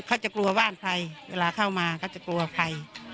เขาจะกลัวบ้านใครเวลาเข้ามาเขาจะกลัวใคร